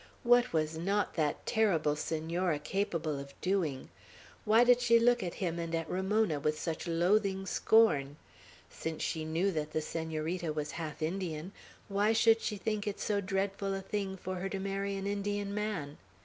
What was not that terrible Senora capable of doing? Why did she look at him and at Ramona with such loathing scorn? Since she knew that the Senorita was half Indian, why should she think it so dreadful a thing for her to marry an Indian man?